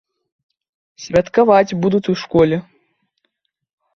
Святкаваць будуць у школе.